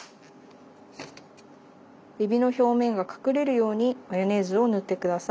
えびの表面が隠れるようにマヨネーズを塗って下さい。